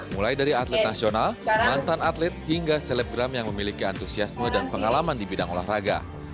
mulai dari atlet nasional mantan atlet hingga selebgram yang memiliki antusiasme dan pengalaman di bidang olahraga